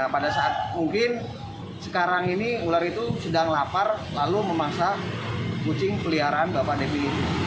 pada saat mungkin sekarang ini ular itu sedang lapar lalu memasak kucing peliharaan bapak devi